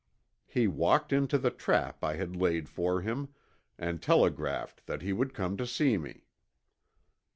He walked into the trap I had laid for him, and telegraphed that he would come to see me."